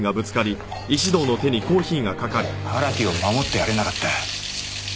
荒木を守ってやれなかった。